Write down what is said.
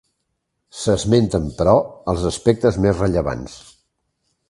S'esmenten, però, els aspectes més rellevants.